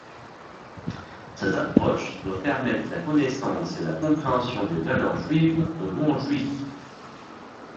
Cette approche doit permettre la connaissance et la compréhension des valeurs juives aux non-Juifs.